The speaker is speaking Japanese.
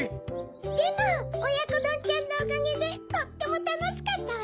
でもおやこどんちゃんのおかげでとってもたのしかったわ。